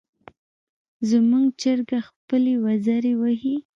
زموږ چرګه خپلې وزرې وهي.